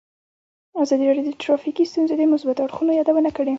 ازادي راډیو د ټرافیکي ستونزې د مثبتو اړخونو یادونه کړې.